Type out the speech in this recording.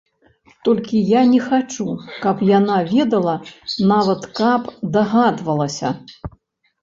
Толькі я не хачу, каб яна ведала, нават каб дагадвалася.